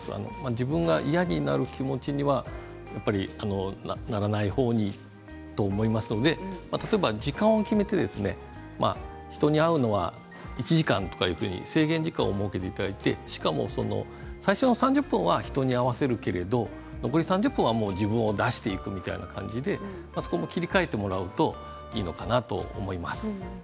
自分が嫌になる気持ちにはならない方にと思いますので例えば時間を決めて人に会うのは１時間という制限時間を設けていただいてしかも最初の３０分は人に合わせるけど残り３０分は自分を出していくという感じでそこも切り替えてもらうといいのかなと思います。